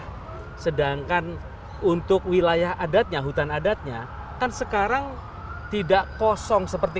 nah sedangkan untuk wilayah adatnya hutan adatnya kan sekarang tidak kosong seperti